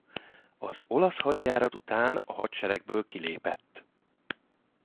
Az olasz hadjárat után a hadseregből kilépett.